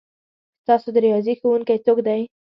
ستاسو د ریاضي ښؤونکی څوک دی؟